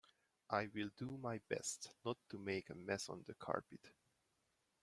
I'll do my best not to make a mess on the carpet.